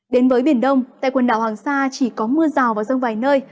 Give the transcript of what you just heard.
đến với biển đông tại quần đảo hoàng sa chỉ có mưa rào và rông vài nơi